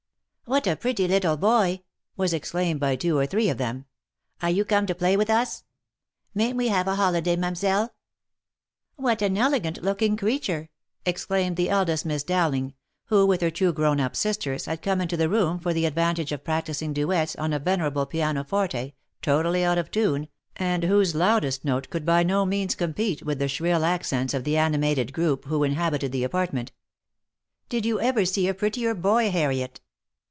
" What a pretty little boy !" was exclaimed by two or three of them. " Are you come to play with us ? Mayn't we have a holi day, Ma'mselle ?"" What an elegant looking creature !" exclaimed the eldest Miss Dowling, who with her two grown up sisters, had come into the room for the advantage of practising duets on a venerable pianoforte totally out of tune, and whose loudest note could by no means compete with the shrill accents of the animated group who inha bited the apartment. "Did you ever see a prettier boy, Harriet